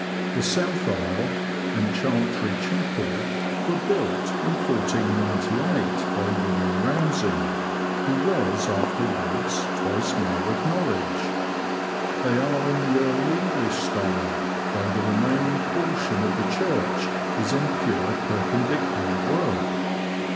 The south aisle and chantry chapel were built, in 1498, by William Ramsey, who was after wards twice mayor of Norwich. They are in the Early English style, though the remaining portion of the church is in pure Perpendicular work.